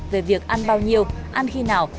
về việc ăn bao nhiêu ăn khi nào